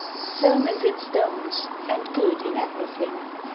"Sermons in stones, and good in everything."